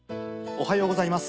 おはようございます。